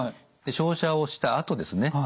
で照射をしたあとですね